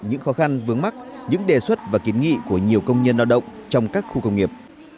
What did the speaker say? những khó khăn vướng mắt những đề xuất và kiến nghị của nhiều công nhân lao động trong các khu công nghiệp